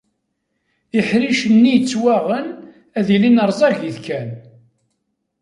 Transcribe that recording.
Iḥricen-nni yettwaɣen ad ilin rẓagit kan.